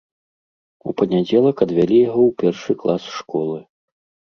У панядзелак адвялі яго ў першы клас школы.